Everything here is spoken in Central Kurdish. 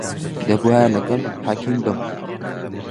دەبوایە لەگەڵ حەکیم بم.